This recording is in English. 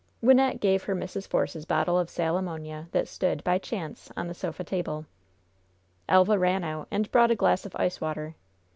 Wynnette gave her Mrs. Force's bottle of sal ammonia that stood, by chance, on the sofa table. Elva ran out and brought a glass of ice water.